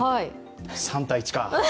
３対１か。